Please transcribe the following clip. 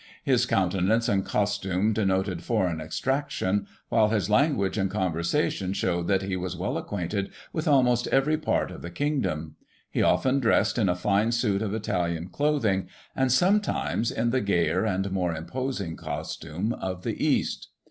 His countenance and costume denoted foreign extraction, while his language and conversation showed that he was well acquainted with almost every part of the kingdom. He often dressed in a fine suit of Italian clothing, and, sometimes, in the gayer and more imposing costume of the east.